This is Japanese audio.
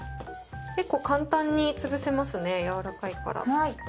結構簡単につぶせますね軟らかいから。